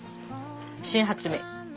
新発明。